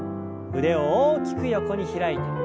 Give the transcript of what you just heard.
腕を大きく横に開いて。